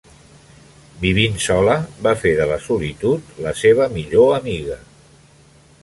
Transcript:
Vivint sola, va fer de la solitud la seva millor amiga.